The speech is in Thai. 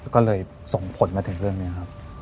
ก็เลยส่งผลมาถึงเรื่องนี้ครับ